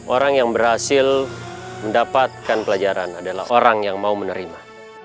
orang yang berhasil mendapatkan pelajaran adalah orang yang mau menerima